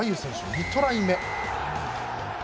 ２トライ目。